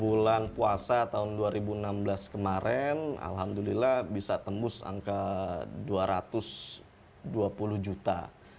bulan puasa tahun dua ribu enam belas kemarin alhamdulillah bisa tembus angka dua ratus dua puluh juta